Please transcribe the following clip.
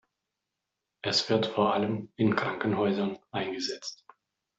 Es wird vor allem in Krankenhäusern eingesetzt.